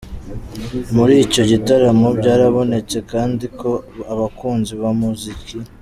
Muri icyo gitaramo byarabonetse kandi ko abakunzi bumuziki.